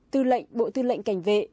tư lệnh bộ tư lệnh cảnh vệ